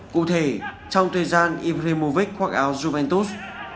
cụ thể trong thời gian ibrahimovic khoác áo juventus